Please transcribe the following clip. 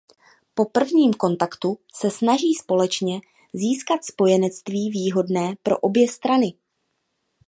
Po prvním kontaktu se snaží společně získat spojenectví výhodné pro obě strany.